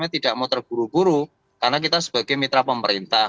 tidak mau terburu buru karena kita sebagai mitra pemerintah